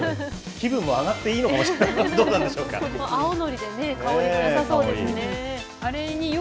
気分も上がっていいのかもしれませんね。